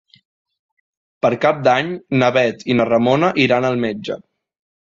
Per Cap d'Any na Bet i na Ramona iran al metge.